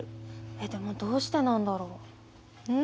でもどうしてなんだろう？ん？